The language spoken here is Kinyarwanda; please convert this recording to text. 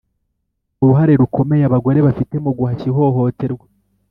uruhare rukomeye Abagore bafite mu guhashya ihohoterwa